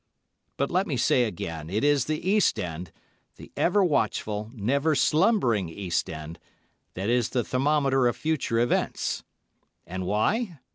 But let me say again it is the East End, the ever watchful, never slumbering East End, that is the thermometer of future events. And why?